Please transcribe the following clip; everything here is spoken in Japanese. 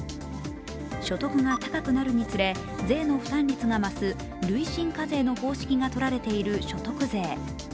所得が高くなるにつれ、税の負担が増す累進課税の方式がとられている所得税。